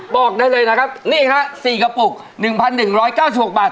บอกได้เลยนะครับนี่ฮะ๔กระปุก๑๑๙๖บาท